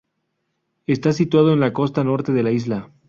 Está situado en la costa norte de la isla.